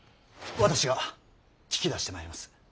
私が聞き出してまいります。